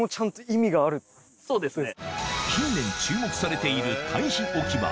そうですね。